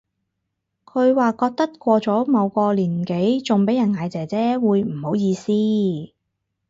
佢話覺得過咗某個年紀仲俾人嗌姐姐會唔好意思